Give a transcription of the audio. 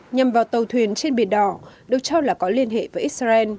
nhằm vào tàu thuyền trên biển đỏ được cho là có liên hệ với israel